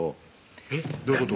えっどういうこと？